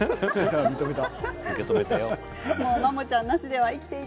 認めた。